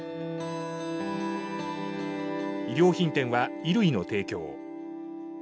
衣料品店は衣類の提供を。